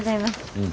うん。